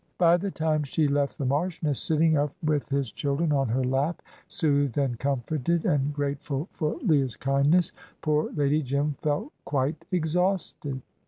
By the time she left the Marchioness, sitting up with "his children" on her lap, soothed and comforted, and grateful for Leah's kindness, poor Lady Jim felt quite exhausted.